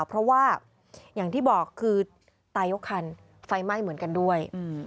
เพราะว่าอย่างที่บอกคือตายกคันไฟไหม้เหมือนกันด้วย